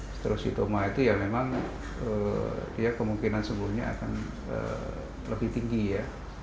strositoma itu ya memang dia kemungkinan sembuhnya akan lebih tinggi ya